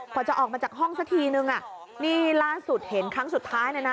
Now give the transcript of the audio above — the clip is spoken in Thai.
จะออกมาจากห้องสักทีนึงอ่ะนี่ล่าสุดเห็นครั้งสุดท้ายเลยนะ